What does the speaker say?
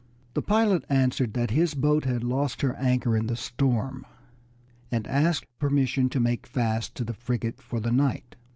The pilot answered that his boat had lost her anchor in the storm, and asked permission to make fast to the frigate for the night.